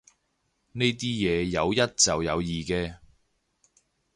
呢啲嘢有一就有二嘅